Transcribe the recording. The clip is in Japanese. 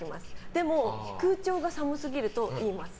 でも、空調が寒すぎると言います。